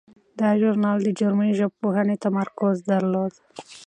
دا ژورنال د جرمني ژبپوهنې تمرکز درلود.